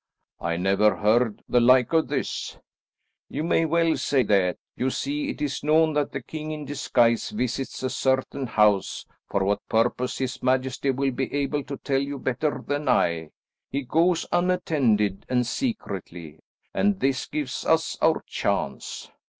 "I never heard the like of this!" "You may well say that. You see it is known that the king in disguise visits a certain house, for what purpose his majesty will be able to tell you better than I. He goes unattended and secretly, and this gives us our chance."